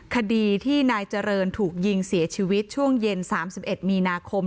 คดีที่นายเจริญถูกยิงเสียชีวิตช่วงเย็น๓๑มีนาคม